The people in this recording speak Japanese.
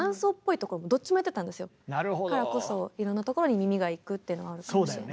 だからこそいろんなところに耳がいくっていうのはあるかもしれないです。